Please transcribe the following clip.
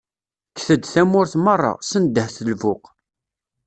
Kket-d tamurt meṛṛa, sendeht lbuq.